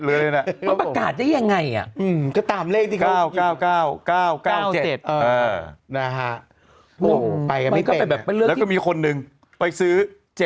อืมก็ตามเลขที่๙๙๙๙๙๗นะฮะแล้วก็มีคนหนึ่งไปซื้อ๗๗๗๗๗๙